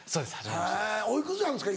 お幾つなんですか？